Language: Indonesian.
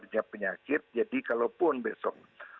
punya penyakit jadi kalau pun besok